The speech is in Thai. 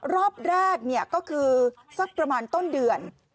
รอบแรกก็คือสักประมาณต้นเดือน